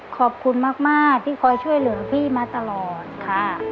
ขอบคุณมากที่คอยช่วยเหลือพี่มาตลอดค่ะ